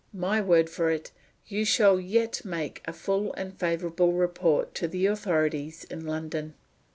My word for it, you shall yet make a full and favorable report to the authorities in London."